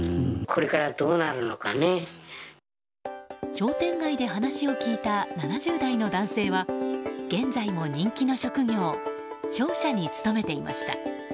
商店街で話を聞いた７０代の男性は現在も人気の職業商社に勤めていました。